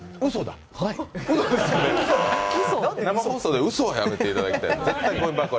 生放送でうそはやめていただきたい。